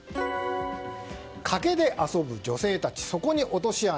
カケで遊ぶ女性たちそこに落とし穴。